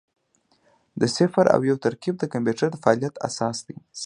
د صفر او یو ترکیب د کمپیوټر د فعالیت اساس دی.